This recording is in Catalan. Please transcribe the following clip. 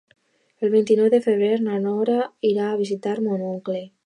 El vint-i-nou de febrer na Nora irà a visitar mon oncle.